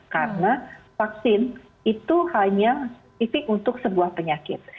karena vaksin itu hanya spesifik untuk sebuah penyakit